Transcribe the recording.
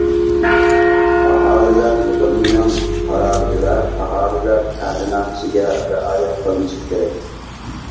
ئاھالىلەر يىغىنىنىڭ قارارى ۋە ئاھالىلەر ئەھدىنامىسىگە رىئايە قىلىنىشى كېرەك.